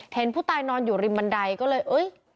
เห็นผู้ตายนอนอยู่ริมบันไดก็เลยเอ้ย